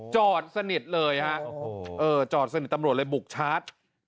จอดสนิทเลยฮะโอ้โหจอดสนิทตำรวจเลยบุกชาร์จ